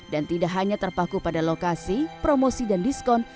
dan tidak hanya terpaku pada lokasi promosi dan diskon